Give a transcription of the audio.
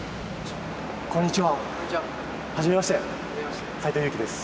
こんにちは、初めまして、斎藤佑樹です。